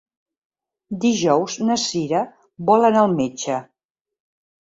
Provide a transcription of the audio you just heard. Dijous na Cira vol anar al metge.